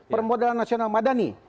permodalan nasional madani